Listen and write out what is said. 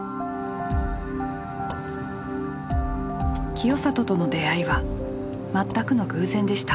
清里との出会いは全くの偶然でした。